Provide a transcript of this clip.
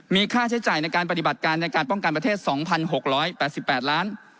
มีค่าใช้จ่ายในการปฏิบัติการในการป้องกันประเทศ๒๖๘๘ล้าน